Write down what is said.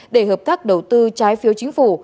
để hợp tác đầu tư trái phiếu chính phủ